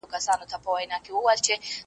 ما لیدې چي به په توره شپه کي راسې .